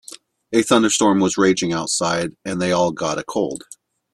A thunderstorm was raging outside and they all got a cold.